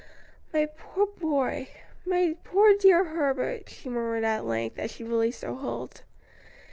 "My poor boy! my poor dear Herbert," she murmured at length, as she released her hold.